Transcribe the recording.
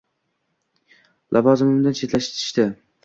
Lavozimimdan chetlatishdi